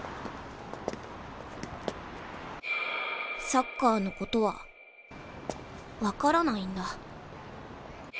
サッカーのことは分からないんだ。